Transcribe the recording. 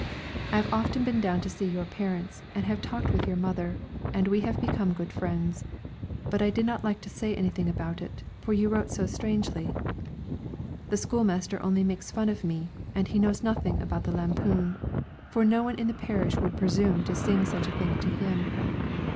I have often been down to see your parents, and have talked with your mother, and we have become good friends; but I did not like to say anything about it, for you wrote so strangely. The school master only makes fun of me, and he knows nothing about the lampoon, for no one in the parish would presume to sing such a thing to him.